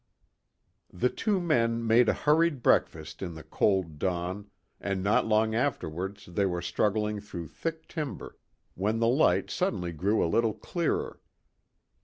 The two men made a hurried breakfast in the cold dawn and not long afterwards they were struggling through thick timber, when the light suddenly grew a little clearer.